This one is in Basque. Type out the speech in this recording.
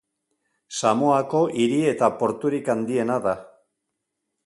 Samoako hiri eta porturik handiena da.